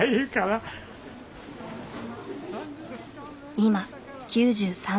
今９３歳。